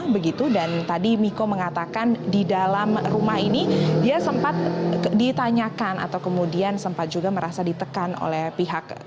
begitu dan tadi miko mengatakan di dalam rumah ini dia sempat ditanyakan atau kemudian sempat juga merasa ditekan oleh pihak